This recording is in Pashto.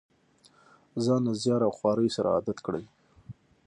ځان له زیار او خوارۍ سره عادت کړي.